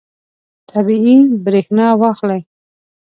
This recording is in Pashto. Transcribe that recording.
طبیعي برېښنا واخلئ.